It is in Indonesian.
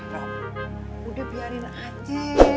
rob udah biarin aja